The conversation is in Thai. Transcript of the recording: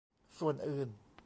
ส่วนอื่น